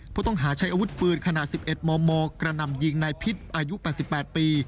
เพราะต้องหาใช้อาวุธปืนขนาดสิบเอ็ดมมกระนำยิงในพิษอายุประสิบแปดปี